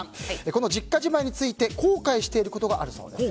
この実家じまいについて後悔していることがあるそうです。